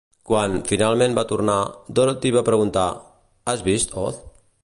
Quan, finalment, va tornar, Dorothy va preguntar: "Has vist Oz?"